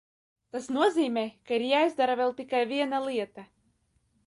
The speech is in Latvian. Tas nozīmē, ka ir jāizdara vēl tikai viena lieta.